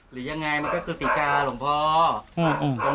หรือยังไงมันก็คือศรีกาหลวงพ่อ